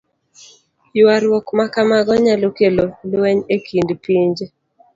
Ywaruok ma kamago nyalo kelo lweny e kind pinje.